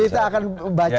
kita akan baca